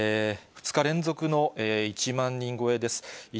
２日連続の１万人超えです。